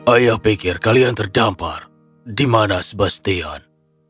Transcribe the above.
ayah pikir kalian terdampar dimana sebastian